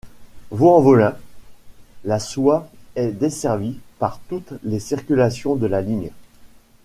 Vaulx-en-Velin - La Soie est desservie par toutes les circulations de la ligne.